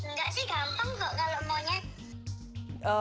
nggak sih gampang kok kalau monyet